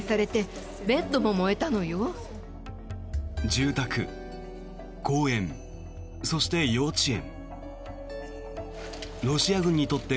住宅、公園、そして幼稚園。